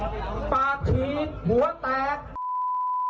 ปากฉีกหัวแตก